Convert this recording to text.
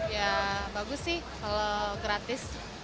ya bagus sih kalau gratis